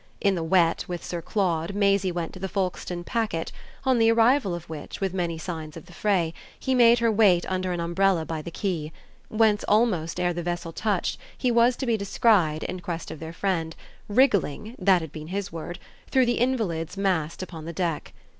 In the wet, with Sir Claude, Maisie went to the Folkestone packet, on the arrival of which, with many signs of the fray, he made her wait under an umbrella by the quay; whence almost ere the vessel touched, he was to be descried, in quest of their friend, wriggling that had been his word through the invalids massed upon the deck.